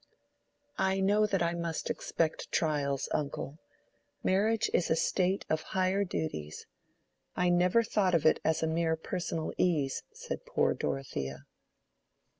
"I know that I must expect trials, uncle. Marriage is a state of higher duties. I never thought of it as mere personal ease," said poor Dorothea.